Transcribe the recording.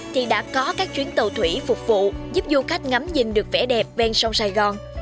thì đã có các chuyến tàu thủy phục vụ giúp du khách ngắm nhìn được vẻ đẹp ven sông sài gòn